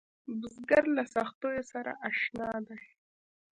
بزګر له سختیو سره اشنا دی